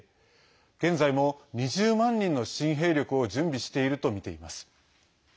現在も２０万人の新兵力を準備していると見ています。